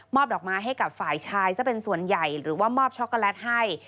ดอกไม้ให้กับฝ่ายชายซะเป็นส่วนใหญ่หรือว่ามอบช็อกโกแลตให้